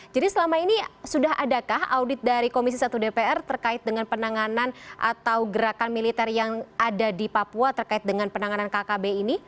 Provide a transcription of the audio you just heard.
jadi selama ini sudah adakah audit dari komisi satu dpr terkait dengan penanganan atau gerakan militer yang ada di papua terkait dengan penanganan kkb ini